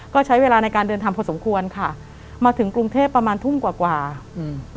ก็ใช้เวลาในการเดินทางพอสมควรค่ะมาถึงกรุงเทพประมาณทุ่มกว่ากว่าอืม